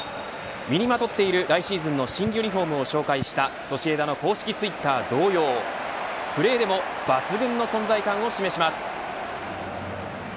身にまとっている来シーズンの新ユニホームを紹介したソシエダの公式ツイッター同様プレーでも抜群の存在感を示します。